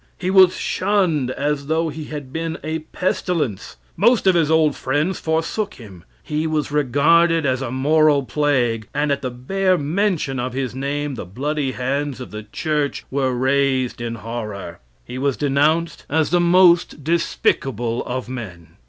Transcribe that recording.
He was shunned as though he had been a pestilence. Most of his old friends forsook him. He was regarded as a moral plague, and at the bare mention of his name the bloody hands of the church were raised in horror. He was denounced as the most despicable of men.